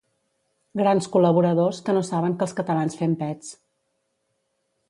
Grans col•laboradors que no saben que els catalans fem pets